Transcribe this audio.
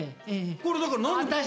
これだから何で。